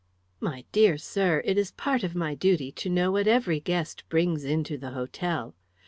"My dear sir, it is part of my duty to know what every guest brings into the hotel.